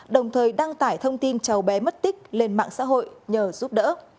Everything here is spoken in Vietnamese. đồng thời đăng tải thông tin cháu bé mất tích lên mạng xã hội nhờ giúp đỡ